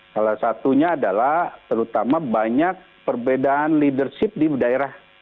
salah satunya adalah terutama banyak perbedaan leadership di daerah